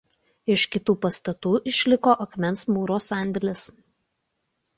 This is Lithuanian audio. Iš kitų pastatų išliko akmens mūro sandėlis.